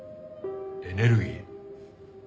エネルギー？